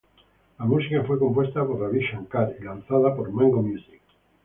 La música fue compuesta por Ravi Shankar y lanzada por Mango Music.